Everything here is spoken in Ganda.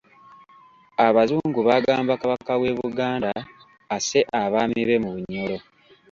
Abazungu baagamba Kabaka w'e Buganda asse abaami be mu Bunyoro.